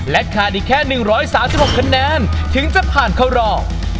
ขาดอีกแค่๑๓๖คะแนนถึงจะผ่านเข้ารอบ